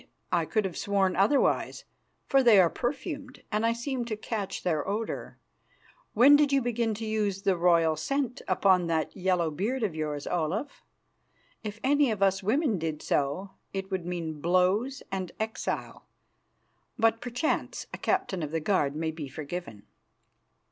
I could have sworn otherwise, for they are perfumed, and I seemed to catch their odour. When did you begin to use the royal scent upon that yellow beard of yours, Olaf? If any of us women did so, it would mean blows and exile; but perchance a captain of the guard may be forgiven."